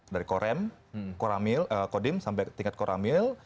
dari korem kodim sampai tingkat koramil